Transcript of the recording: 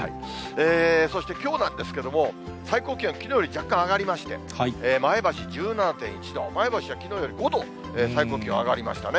そしてきょうなんですけれども、最高気温、きのうより若干上がりまして、前橋１７．１度、前橋はきのうより５度、最高気温上がりましたね。